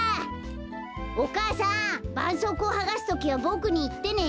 お母さんばんそうこうをはがすときはボクにいってね。